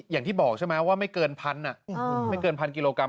อย่างที่บอกใช่ไหมว่าไม่เกินพันกิโลกรัม